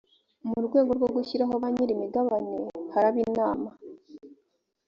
mu rwego rwo gushyiraho ba nyirimigabane haraba inama.